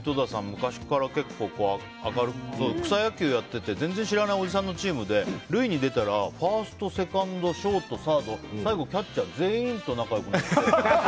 昔から結構明るくて草野球やってて全然知らないおじさんのチームで塁に出たらファースト、セカンドショート、サード最後、キャッチャー全員と仲良くなって。